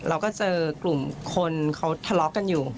เราก็เจอกลุ่มคนเขาทะเลาะกันอยู่